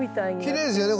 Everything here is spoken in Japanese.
きれいですよね